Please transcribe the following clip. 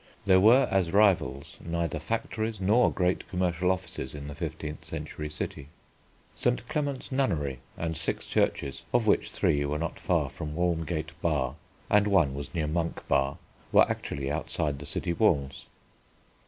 There were as rivals neither factories nor great commercial offices in the fifteenth century city. St. Clement's Nunnery and six churches, of which three were not far from Walmgate Bar and one was near Monk Bar, were actually outside the city walls.